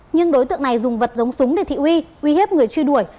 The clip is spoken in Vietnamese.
nhưng đối tượng này dùng vật giống súng để thị uy hiếp người truy đuổi